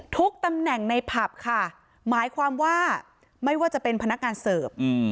ตำแหน่งในผับค่ะหมายความว่าไม่ว่าจะเป็นพนักงานเสิร์ฟ